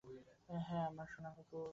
High, আমার সোনা কুকুর।